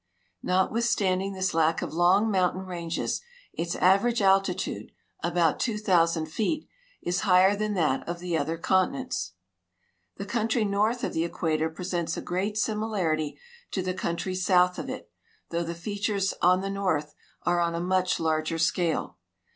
Notwith 172 AFRICA SINCE 1888 standing this lack of long mountain ranges, its average altitude — about 2,000 feet — is higher than that of the other continents. The country" north of the equator presents a great similarity to the country south of it, though the features on the north are on a much larger scale.